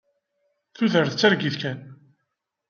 Tudert d targit kan.